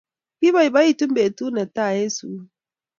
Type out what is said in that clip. Kipoipoiti petut ne tai eng' sukul